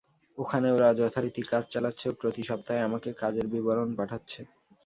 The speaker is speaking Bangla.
ওখানে ওরা যথারীতি কাজ চালাচ্ছে ও প্রতি সপ্তাহে আমাকে কাজের বিবরণ পাঠাচ্ছে।